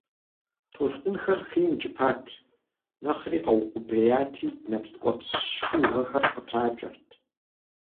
Толъкъунхэр хъийм икӀыпат, нэхъри къэукъубеяти, нэпс ткӀуэпс шыугъэхэр къытракӀэрт.